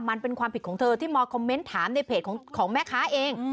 มันเป็นความผิดของเธอที่มาคอมเมนต์ถามในเพจของแม่ค้าเอง